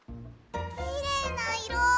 きれいないろ。